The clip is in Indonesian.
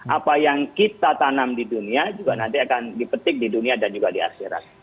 apa yang kita tanam di dunia juga nanti akan dipetik di dunia dan juga di akhirat